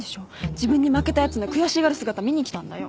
自分に負けたやつの悔しがる姿見に来たんだよ。